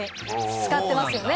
使ってますよね？